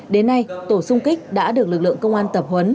đến nay tổ sung kích đã được lực lượng công an tập huấn